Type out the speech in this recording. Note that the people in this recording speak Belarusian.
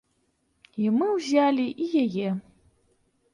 І мы ўзялі і яе.